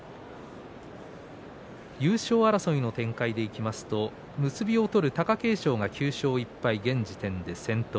優勝争いの展開でいきますと結びを取る貴景勝が９勝１敗現時点で先頭。